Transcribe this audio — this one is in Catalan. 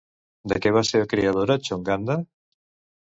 De què va ser creadora Chonganda?